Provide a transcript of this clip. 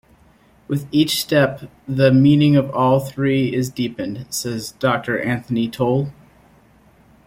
With each step the meaning of all three is deepened, says Doctor Anthony Tol.